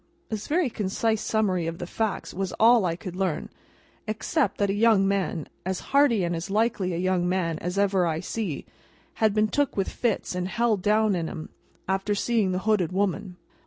This very concise summary of the facts was all I could learn, except that a young man, as hearty and likely a young man as ever I see, had been took with fits and held down in 'em, after seeing the hooded woman.